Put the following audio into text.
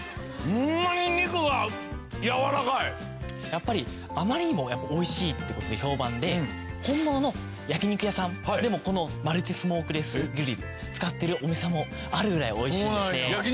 やっぱりあまりにもおいしいって事で評判で本物の焼き肉屋さんでもこのマルチスモークレスグリル使ってるお店もあるぐらいおいしいんですね。